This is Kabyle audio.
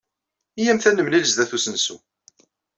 Iyyamt ad nemlil sdat usensu.